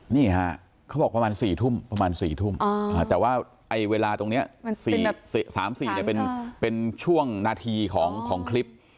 นี่ฮะเขาบอกประมาณ๔ทุ่มประมาณ๔ทุ่มแต่ว่าเวลาตรงนี้๓๔เป็นช่วงนาทีของคลิป